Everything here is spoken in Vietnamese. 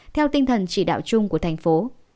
theo tinh thần chỉ đạo chung của thành phố